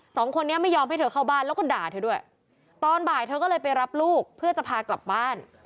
สองคนนี้ไม่ยอมให้เธอเข้าบ้านแล้วก็ด่าเธอด้วยตอนบ่ายเธอก็เลยไปรับลูกเพื่อจะพากลับบ้าน